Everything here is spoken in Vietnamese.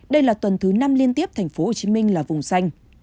đây là tuần thứ năm liên tiếp thành phố hồ chí minh là vùng xanh